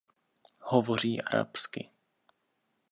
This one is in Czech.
Hovoří arabsky.